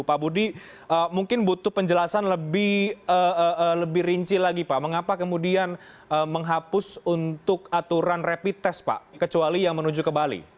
pak budi mungkin butuh penjelasan lebih rinci lagi pak mengapa kemudian menghapus untuk aturan rapid test pak kecuali yang menuju ke bali